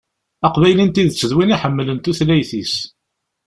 Aqbayli n tidet d win iḥemmlen tutlayt-is.